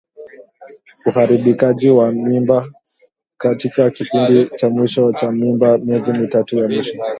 Uharibikaji wa mimba katika kipindi cha mwisho cha mimba miezi mitatu ya mwisho